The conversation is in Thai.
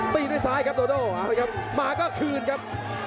ตีด้วยซ้ายครับโดโดมาก็คืนครับ